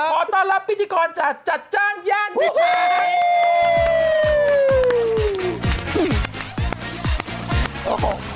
ขอต้อนรับพิธีกรจัดจ้างย่านพิธีกร